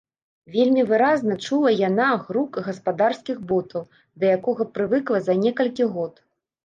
Вельмі выразна чула яна грук гаспадарскіх ботаў, да якога прывыкла за некалькі год.